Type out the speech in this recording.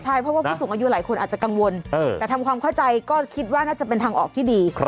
ใช่เพราะว่าผู้สูงอายุหลายคนอาจจะกังวลแต่ทำความเข้าใจก็คิดว่าน่าจะเป็นทางออกที่ดี